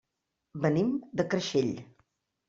Venim de Creixell.